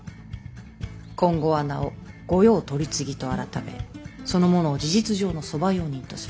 今後は名を「御用取次」と改めその者を事実上の側用人とする。